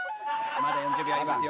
まだ４０秒ありますよ。